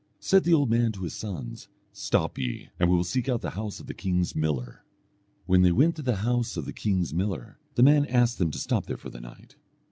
Said the old man to his sons, "Stop ye, and we will seek out the house of the king's miller." When they went to the house of the king's miller, the man asked them to stop there for the night.